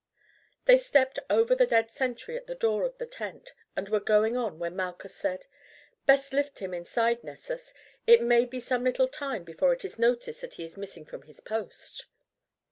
They stepped over the dead sentry at the door of the tent and were going on when Malchus said: "Best lift him inside, Nessus; it may be some little time before it is noticed that he is missing from his post."